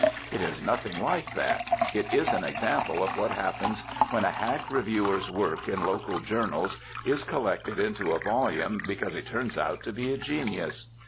It is nothing like that. It is an example of what happens when a hack reviewer's work in local journals is collected into a volume because he turns out to be a genius.